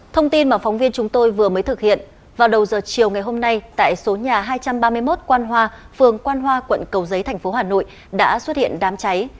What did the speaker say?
thông tin mà phóng viên chúng tôi vừa mới thực hiện vào đầu giờ chiều ngày hôm nay tại số nhà hai trăm ba mươi một quan hoa phường quan hoa quận cầu giấy thành phố hà nội đã xuất hiện đám cháy